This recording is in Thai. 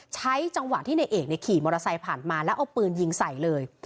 ใช้จังหวะที่นายเอกขี่มอเตอร์ไซค์ผ่านมาแล้วเอาปืนยิงใส่เลย